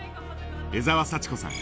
江澤佐知子さん。